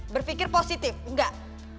berpikir positif enggak